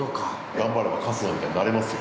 ◆頑張れば、春日みたいになれますよ。